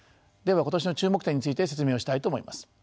では今年の注目点について説明をしたいと思います。